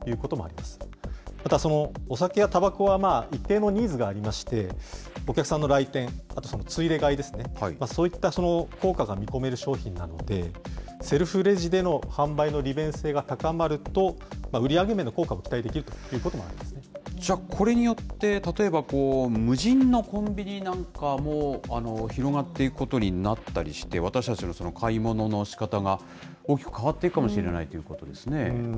また、お酒やたばこは、一定のニーズがありまして、お客さんの来店、あと、また、ついで買いですね、そういった効果が見込める商品なので、セルフレジでの販売の利便性が高まると、売り上げ面の効果も期待できるということもあこれによって、例えば、無人のコンビニなんかも広まっていくことになったりして、私たちの買い物のしかたが大きく変わっていくかもしれないということですね。